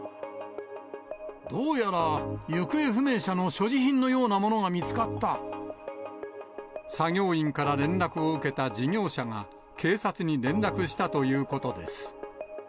どうやら行方不明者の所持品作業員から連絡を受けた事業者が、警察に連絡したということです。